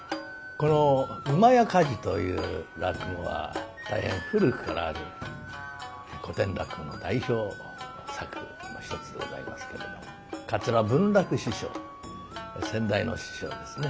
この「厩火事」という落語は大変古くからある古典落語の代表作の一つでございますけれども桂文楽師匠先代の師匠ですね